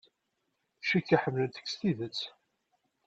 Cikkeɣ ḥemmlent-k s tidet.